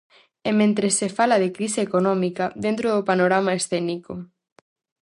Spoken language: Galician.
E mentres se fala de crise económica dentro do panorama escénico.